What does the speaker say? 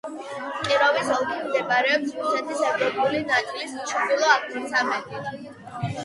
კიროვის ოლქი მდებარეობს რუსეთის ევროპული ნაწილის ჩრდილო-აღმოსავლეთით.